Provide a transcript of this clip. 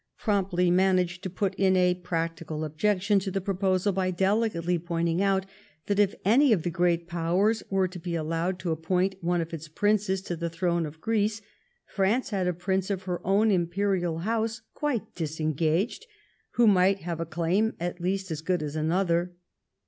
promptly managed to put in a practical objection to the proposal by delicately pointing out that if any of the Great Powers were to be allowed to appoint one of its princes to the throne of Greece, France had a prince of her own Imperial house quite disengaged, who might have a claim at least as good as another.